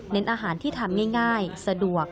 อาหารที่ทำง่ายสะดวก